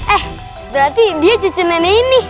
eh berarti dia cucu nenek ini